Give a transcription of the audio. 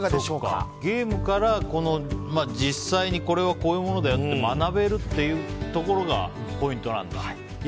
ゲームから実際にこういうものだよって学べるっていうところがポイントなんだ。